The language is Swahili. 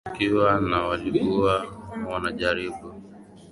ashukiwa na walikuwa wanajaribu